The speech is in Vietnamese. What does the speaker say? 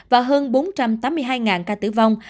và hơn bốn trăm tám mươi hai ca tử vong